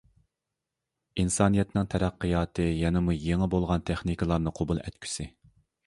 ئىنسانىيەتنىڭ تەرەققىياتى يەنىمۇ يېڭى بولغان تېخنىكىلارنى قوبۇل ئەتكۈسى.